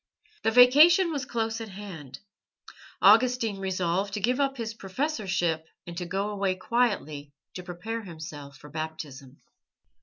The vacation was close at hand. Augustine resolved to give up his professorship and to go away quietly to prepare himself for Baptism.